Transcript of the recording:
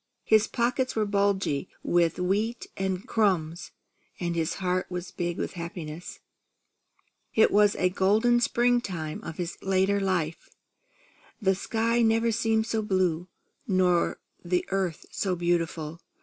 His pockets were bulgy with wheat and crumbs, and his heart was big with happiness. It was the golden springtime of his later life. The sky never had seemed so blue, or the earth so beautiful.